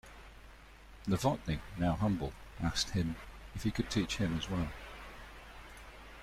Novotny, now humble, asked him if he could teach him as well.